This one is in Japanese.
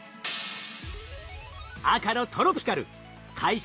赤のトロピカル開始